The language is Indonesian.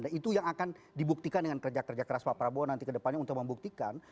dan itu yang akan dibuktikan dengan kerja kerja keras pak prabowo nanti kedepannya untuk membuktikan